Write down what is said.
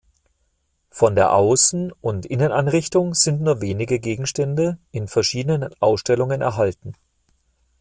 Von der Außen- und Inneneinrichtung sind nur wenige Gegenstände in verschiedenen Ausstellungen erhalten.